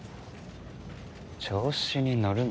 調子にのるなよ。